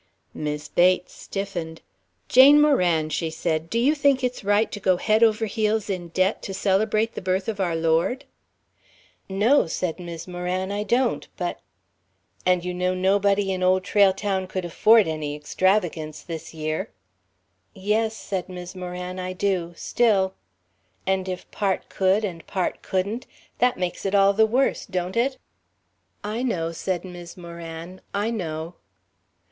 Mis' Bates stiffened. "Jane Moran," she said, "do you think it's right to go head over heels in debt to celebrate the birth of our Lord?" "No," said Mis' Moran, "I don't. But " "And you know nobody in Old Trail Town could afford any extravagance this year?" "Yes," said Mis' Moran, "I do. Still " "And if part could and part couldn't, that makes it all the worse, don't it?" "I know," said Mis' Moran, "I know."